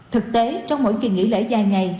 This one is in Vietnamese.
thực tế trong mỗi kỳ nghỉ lễ dài ngày